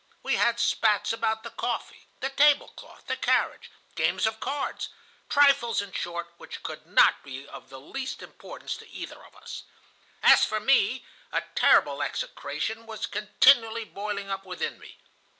We had spats about the coffee, the table cloth, the carriage, games of cards,—trifles, in short, which could not be of the least importance to either of us. As for me, a terrible execration was continually boiling up within me.